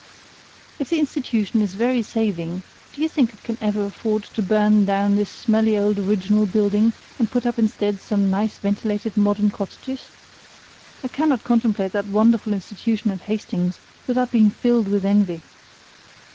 If the institution is very saving, do you think it can ever afford to burn down this smelly old original building, and put up instead some nice, ventilated modern cottages? I cannot contemplate that wonderful institution at Hastings without being filled with envy.